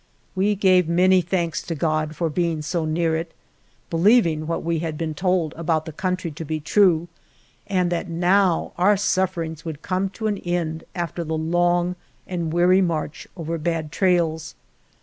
We gave many thanks to God for being so near it, believing what we had been told about the country to be true, and that now our suffer ings would come to an end after the long and weary march over bad trails.